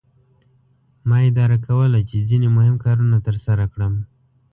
ما اداره کوله چې ځینې مهم کارونه ترسره کړم.